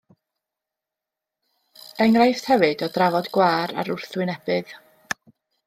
Enghraifft hefyd o drafod gwâr ar wrthwynebydd.